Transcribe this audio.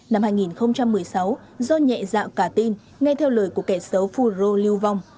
năm hai nghìn một mươi sáu do nhẹ dạ cả tin nghe theo lời của kẻ xấu phu rô lưu vong